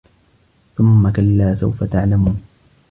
ثُمَّ كَلّا سَوفَ تَعلَمونَ